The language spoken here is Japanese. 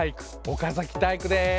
岡崎体育です。